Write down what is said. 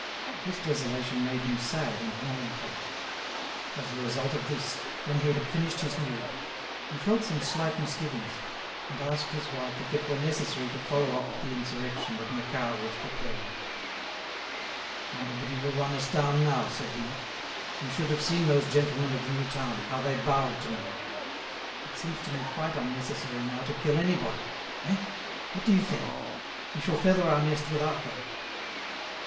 This desolation made him sad and melancholy. As a result of this, when he had finished his meal, he felt some slight misgivings, and asked his wife if it were necessary to follow up the insurrection that Macquart was preparing. "Nobody will run us down now," said he. "You should have seen those gentlemen of the new town, how they bowed to me! It seems to me quite unnecessary now to kill anybody—eh? What do you think? We shall feather our nest without that."